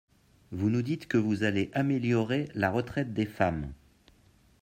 Vous nous dites que vous allez améliorer la retraite des femmes.